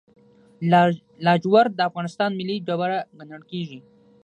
لاجورد د افغانستان ملي ډبره ګڼل کیږي.